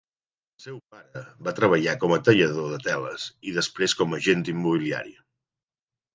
El seu pare va treballar com a tallador de teles i després com a agent immobiliari.